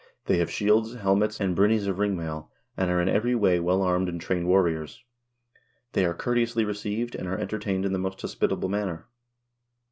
They have shields, helmets, and brynies of ring mail, and are in every way well armed and trained warriors. They are courteously received, and are entertained in the most hospitable manner.